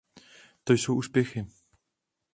To jsou úspěchy.